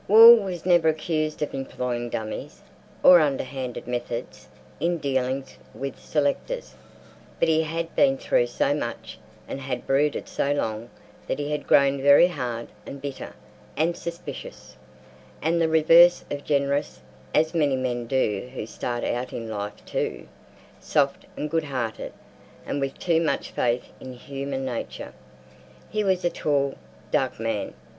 Wall was never accused of employing dummies, or underhanded methods in dealings with selectors, but he had been through so much and had brooded so long that he had grown very hard and bitter and suspicious, and the reverse of generous—as many men do who start out in life too soft and goodhearted and with too much faith in human nature. He was a tall, dark man.